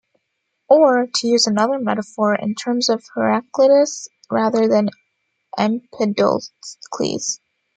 Or, to use another metaphor, in terms of Heraclitus rather than Empedocles.